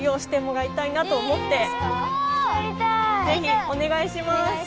ぜひお願いします！